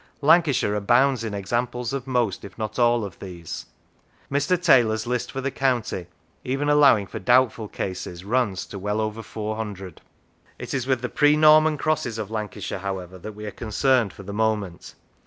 Lancashire abounds in examples of most, if not all, of these. Mr. Taylor's list for the county, even allowing for doubtful cases, runs to well over four hundred. It is with the pre Norman crosses of Lancashire, however, that we are concerned for the moment.